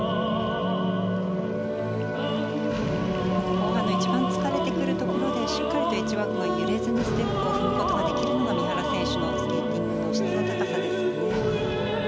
後半の一番疲れてくるところでしっかりエッジワークも揺れずにステップを踏むことができるのが三原選手のスケーティングの質の高さですね。